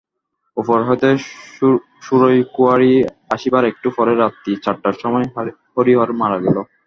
উপর হইতে সূরযকুঁয়ারী আসিবার একটু পরেই রাত্রি চারটার সময় হরিহর মারা গেল।